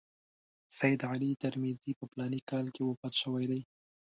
سید علي ترمذي په فلاني کال کې وفات شوی دی.